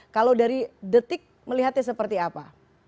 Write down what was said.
kalau dari detik melihatnya seperti apa